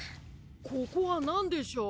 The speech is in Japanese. ここはなんでしょう。